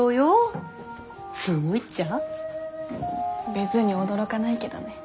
別に驚かないけどね。